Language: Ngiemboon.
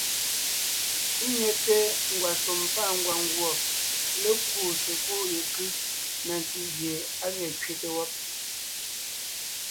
Ńnyɛte ngwàshùm pâ ngwàngùɔ lékuu sekúd yekʉ́ na ntí gie á ge kẅete wɔ́b.